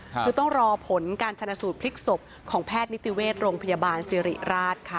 คือต้องรอผลการชนะสูตรพลิกศพของแพทย์นิติเวชโรงพยาบาลสิริราชค่ะ